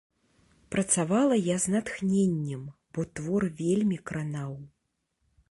Працавала я з натхненнем, бо твор вельмі кранаў.